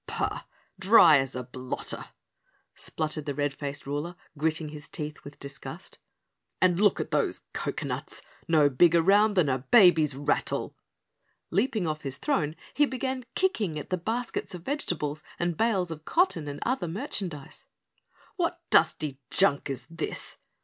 "Pah, dry as a blotter," spluttered the red faced ruler, gritting his teeth with disgust, "and look at those cocoanuts, no bigger round than a baby's rattle!" Leaping off his throne, he began kicking at the baskets of vegetables and bales of cotton and other merchandise. "What dusty junk is this?"